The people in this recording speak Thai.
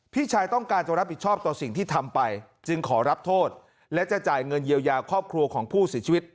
พี่ชายต้องการจะรับผิดชอบต่อสิ่งที่ทำไปจึงขอรับโทษและจะจ่ายเงินเยียวยาครอบครัวของผู้เสียชีวิต